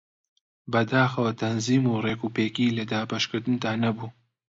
بەداخەوە تەنزیم و ڕێکوپێکی لە دابەشکردندا نەبوو